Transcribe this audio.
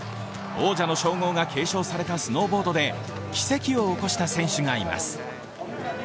王者の称号が継承されたスノーボードで奇跡を起こした選手がいます。